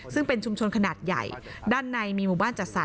ซึ่งเป็นชุมชนขนาดใหญ่ด้านในมีหมู่บ้านจัดสรร